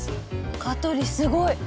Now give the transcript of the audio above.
香取すごい！